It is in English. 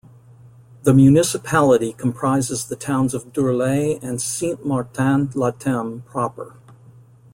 The municipality comprises the towns of Deurle and Sint-Martens-Latem proper.